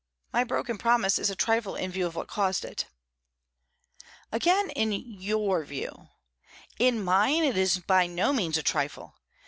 My broken promise is a trifle in view of what caused it." "Again, in your view. In mine it is by no means a trifle.